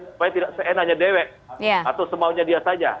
supaya tidak seenanya dewek atau semaunya dia saja